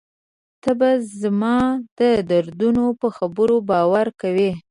ته به زما د دردونو په خبرو باور کوې.